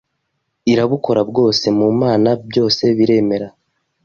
irabukora bwose “Mu mana byose biremera